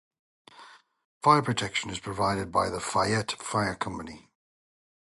Fire protection is provided by the Fayette Fire Company.